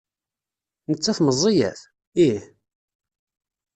Nettat meẓẓiyet? Ih.